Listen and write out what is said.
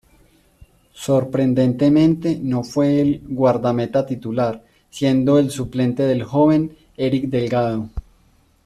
Sorprendentemente no fue el guardameta titular, siendo el suplente del joven Erick Delgado.